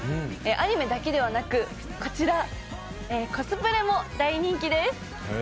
アニメだけではなく、コスプレも大人気です！